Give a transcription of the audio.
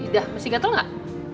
dah masih gatel gak